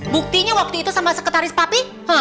buktinya waktu itu sama sekretaris pak pi